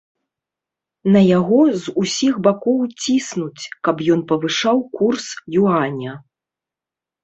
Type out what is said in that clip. На яго з усіх бакоў ціснуць, каб ён павышаў курс юаня.